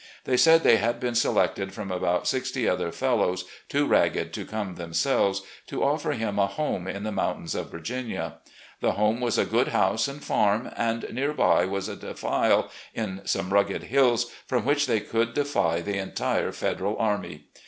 They said they had been selected from about sixty other fellows, too ragged to come themselves, to offer him a home in the motmtains of Virginia. The home was a good house and farm, and near by was a defile, in some rugged hills, from which they could defy the entire Fed eral Army.